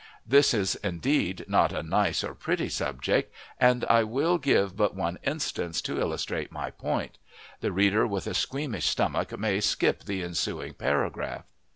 This is indeed not a nice or pretty subject, and I will give but one instance to illustrate my point; the reader with a squeamish stomach may skip the ensuing paragraph.